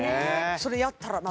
それやったらな